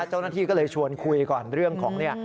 เจ้าหน้าที่ก็เลยชวนคุยก่อนเรื่องของเนี่ย